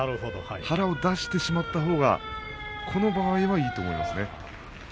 腹を出してしまったほうがこの場合はいいと思います。